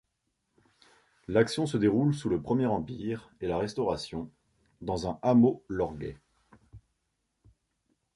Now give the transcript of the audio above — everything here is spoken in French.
L’action se déroule sous le Premier Empire et la Restauration dans un hameau lorguais.